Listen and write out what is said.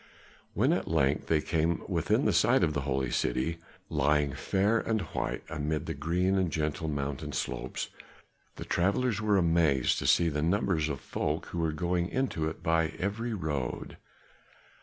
When at length they came within sight of the holy city, lying fair and white amid the green and gentle mountain slopes, the travelers were amazed to see the numbers of folk who were going into it by every road.